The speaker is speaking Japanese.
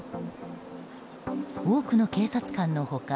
多くの警察官の他